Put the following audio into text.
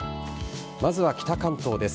まずは北関東です。